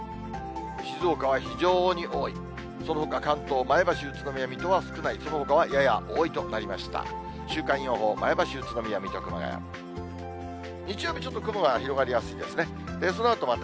静岡は非常に多い、そのほか、関東、前橋、宇都宮、水戸は少ない、そのほかはやや多いとなりました。